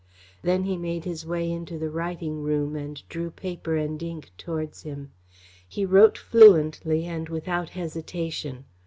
Then he made his way into the writing room and drew paper and ink towards him. He wrote fluently, and without hesitation.